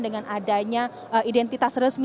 dengan adanya identitas resmi